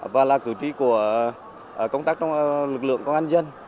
và là cử tri của công tác trong lực lượng công an dân